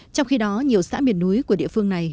trong khi đó nhiều xã miền núi của địa phương này